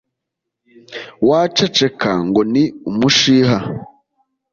waceceka ngo ni umushiha.